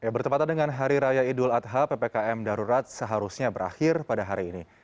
bertepatan dengan hari raya idul adha ppkm darurat seharusnya berakhir pada hari ini